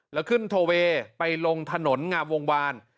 แล้วขึ้นโทเวย์ไปลงถนนงามวงวาน